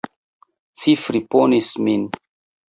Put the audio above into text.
Ci friponis min!